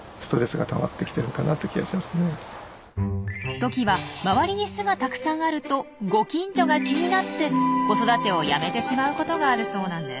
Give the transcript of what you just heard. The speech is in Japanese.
トキは周りに巣がたくさんあるとご近所が気になって子育てをやめてしまうことがあるそうなんです。